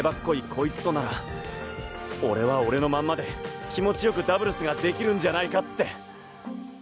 コイツとなら俺は俺のまんまで気持ちよくダブルスができるんじゃないかって。